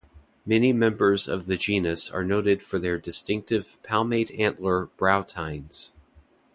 Many members of the genus are noted for their distinctive palmate antler brow tines.